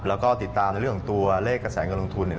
แล้วก็ติดตามในเรื่องของตัวเลขกระแสเงินลงทุน